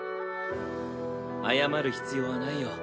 謝る必要はないよ。